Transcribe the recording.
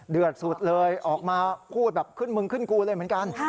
สุดเลยออกมาพูดแบบขึ้นมึงขึ้นกูเลยเหมือนกัน